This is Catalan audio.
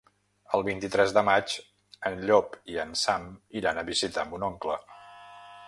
El vint-i-tres de maig en Llop i en Sam iran a visitar mon oncle.